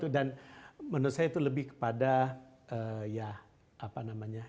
dan menurut saya itu lebih kepada ya apa namanya